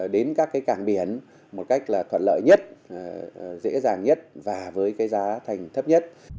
đến các cảng biển một cách thuận lợi nhất dễ dàng nhất và với giá thành thấp nhất